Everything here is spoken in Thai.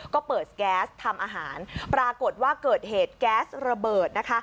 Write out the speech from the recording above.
ก็เปิดแก๊สทำอาหารปรากฏว่าเกิดเหตุแก๊สระเบิดนะคะ